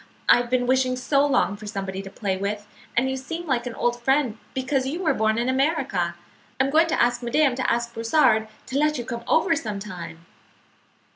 I have been wishing so long for somebody to play with, and you seem like an old friend because you were born in America. I'm going to ask madame to ask Brossard to let you come over sometime."